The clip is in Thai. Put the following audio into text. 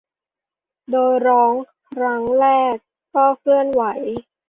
โดยร้องครั้งแรกก็เคลื่อนไหว